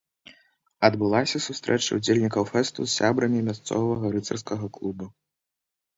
Адбылася сустрэча ўдзельнікаў фэсту з сябрамі мясцовага рыцарскага клуба.